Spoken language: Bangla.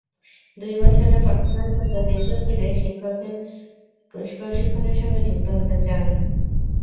দুই বছরের পড়াশোনা শেষে দেশে ফিরে শিক্ষক প্রশিক্ষণের সঙ্গে যুক্ত হতে চান।